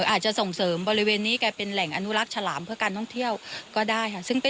อาจจะส่งเสริมบริเวณนี้กลายเป็นแหล่งอนุรักษ์ฉลามเพื่อการท่องเที่ยวก็ได้ค่ะ